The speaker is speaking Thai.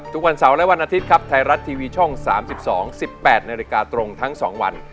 ทุกวันเสาร์และวันอาทิตย์ครับไทยรัฐทีวีช่อง๓๒๑๘นาฬิกาตรงทั้ง๒วัน